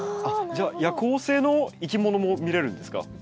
じゃあ夜行性のいきものも見れるんですか？